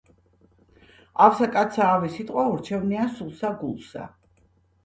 ავსა კაცსა ავი სიტყვა ურჩევნია სულსა, გულსა.